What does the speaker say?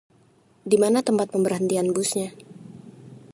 Di mana tempat pemberhentian busnya?